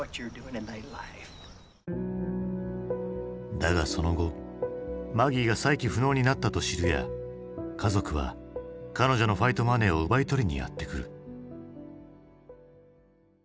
だがその後マギーが再起不能になったと知るや家族は彼女のファイトマネーを奪い取りにやって来る。